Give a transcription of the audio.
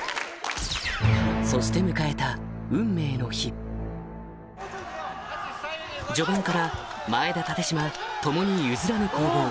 そして迎えた序盤から前田立嶋共に譲らぬ攻防